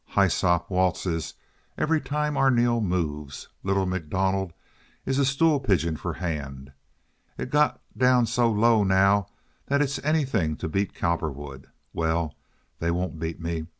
Hyssop waltzes every time Arneel moves. Little MacDonald is a stool pigeon for Hand. It's got down so low now that it's anything to beat Cowperwood. Well, they won't beat me.